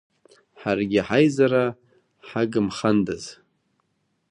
Ҳаргьы ҳаизара ҳагымхандаз!